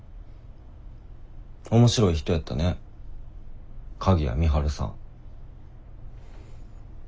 面白い人やったね鍵谷美晴さん。